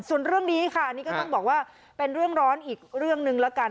ส่วนเรื่องนี้ค่ะนี่ก็ต้องบอกว่าเป็นเรื่องร้อนอีกเรื่องหนึ่งแล้วกัน